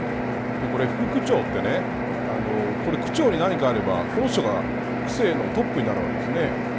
これ副区長って区長に何かあればこの人が区政のトップになるわけですね。